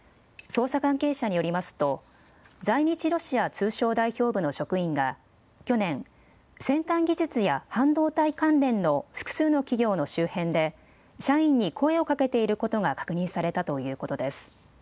捜査関係者によりますと、在日ロシア通商代表部の職員が去年、先端技術や半導体関連の複数の企業の周辺で、社員に声をかけていることが確認されたということです。